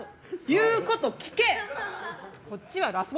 言うこと聞け！